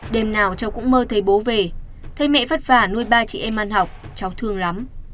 đêm nào cháu cũng mơ thấy bố về thấy mẹ vất vả nuôi ba chị em ăn học cháu thương lắm